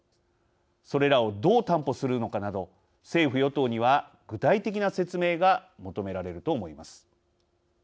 それらをどう担保するのかなど政府・与党には具体的な説明が求められると思います。